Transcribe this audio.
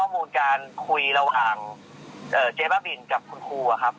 ข้อมูลการคุยระหว่างเจ๊บ้าบินกับคุณครูอะครับ